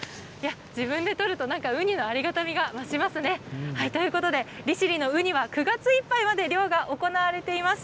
自分で取ると、なんかウニのありがたみが増しますね。ということで、利尻のウニは、９月いっぱいまで漁が行われています。